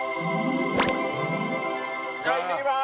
じゃいってきます。